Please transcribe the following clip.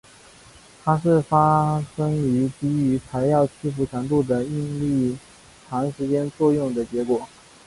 它的发生是低于材料屈服强度的应力长时间作用的结果。